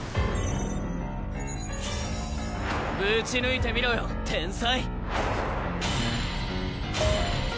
ぶち抜いてみろよ天才！